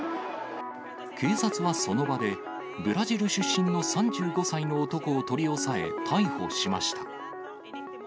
警察はその場で、ブラジル出身の３５歳の男を取り押さえ、逮捕しました。